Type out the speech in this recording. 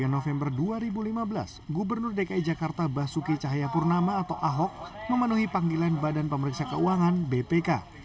tiga november dua ribu lima belas gubernur dki jakarta basuki cahayapurnama atau ahok memenuhi panggilan badan pemeriksa keuangan bpk